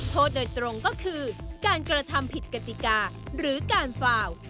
โทษโดยตรงก็คือการกระทำผิดกติกาหรือการฟาว